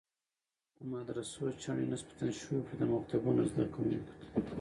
د مدرسو چڼې نسبتاً شوخ وي، د مکتبونو زده کوونکو ته.